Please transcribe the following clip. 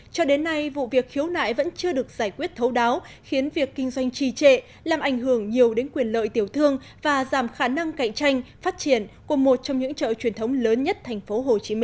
cho đến nay vụ việc khiếu nại vẫn chưa được giải quyết thấu đáo khiến việc kinh doanh trì trệ làm ảnh hưởng nhiều đến quyền lợi tiểu thương và giảm khả năng cạnh tranh phát triển của một trong những chợ truyền thống lớn nhất tp hcm